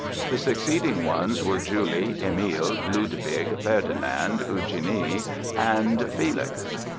The succeeding ones were Julie, Emil, Ludwig, Ferdinand, Eugenie and Felix.